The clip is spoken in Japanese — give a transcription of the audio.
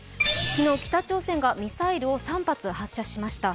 昨日、北朝鮮がミサイルを３発発射しました。